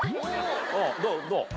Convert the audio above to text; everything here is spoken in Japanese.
どう？